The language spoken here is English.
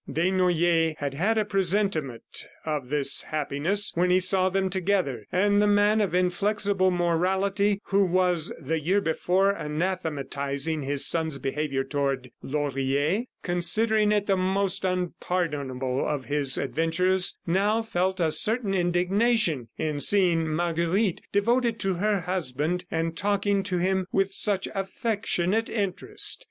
Desnoyers had had a presentiment of this happiness when he saw them together. And the man of inflexible morality who was, the year before, anathematizing his son's behavior toward Laurier, considering it the most unpardonable of his adventures, now felt a certain indignation in seeing Marguerite devoted to her husband, and talking to him with such affectionate interest.